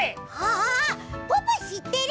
あポッポしってるよ。